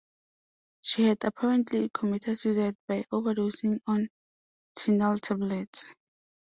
She had apparently committed suicide by overdosing on Tuinal tablets.